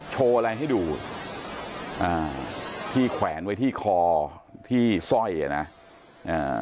โชว์อะไรให้ดูอ่าที่แขวนไว้ที่คอที่สร้อยอ่ะนะอ่า